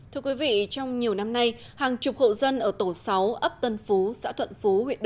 thưa quý vị trong nhiều năm nay hàng chục hộ dân ở tổ sáu ấp tân phú xã thuận phú